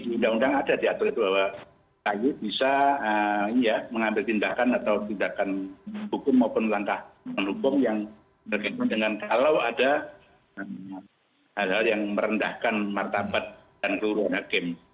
di undang undang ada diatur bahwa kay bisa mengambil tindakan atau tindakan hukum maupun langkah mendukung yang berkaitan dengan kalau ada hal hal yang merendahkan martabat dan keluruhan hakim